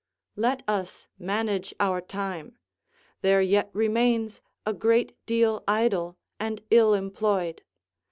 Let us manage our time; there yet remains a great deal idle and ill employed.